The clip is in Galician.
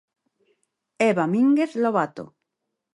Eva Mínguez Lobato.